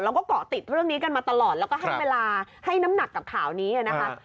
แล้วก็เกาะติดเรื่องนี้กันมาตลอดแล้วก็ให้เวลาให้น้ำหนักกับข่าวนี้นะครับ